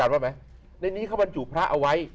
บางทีนี่เขาบรรจุพระเอาไว้